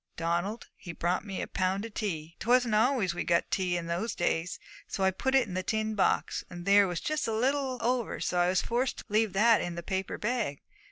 Donald, he brought me a pound of tea. 'Twasn't always we got tea in those days, so I put it in the tin box; and there was just a little over, so I was forced to leave that in the paper bag.